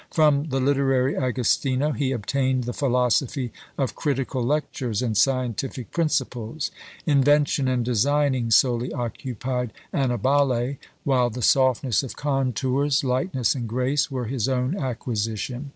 From the literary Agostino he obtained the philosophy of critical lectures and scientific principles; invention and designing solely occupied Annibale; while the softness of contours, lightness and grace, were his own acquisition.